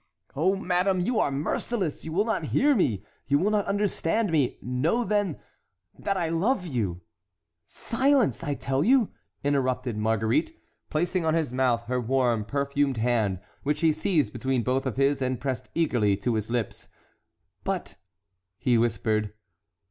"Oh, madame, you are merciless! you will not hear me, you will not understand me. Know, then, that I love you"— "Silence! I tell you," interrupted Marguerite, placing on his mouth her warm, perfumed hand, which he seized between both of his and pressed eagerly to his lips. "But"—he whispered.